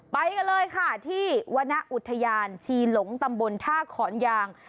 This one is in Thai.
ไปกันเลยค่ะที่วรรณอุทยานชีหลงตำบลท่าขอนยาง